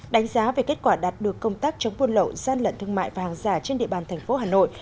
đánh giá về kết quả đạt được công tác chống vôn lậu gian lận thương mại và hàng giả trên địa bàn tp hà nội